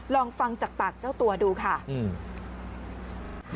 ลองฟังจากปากเจ้าตัวดูค่ะอืม